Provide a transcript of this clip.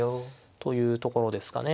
というところですかね。